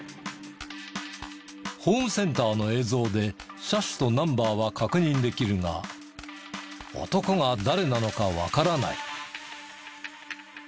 ホームセンターの映像で車種とナンバーは確認できるが男が誰なのかわからない。